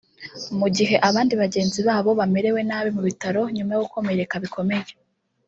mu gihe abandi bagenzi babo bamerewe nabi mu bitaro nyuma yo gukomereka bikomeye